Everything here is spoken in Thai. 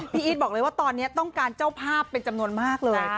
อีทบอกเลยว่าตอนนี้ต้องการเจ้าภาพเป็นจำนวนมากเลย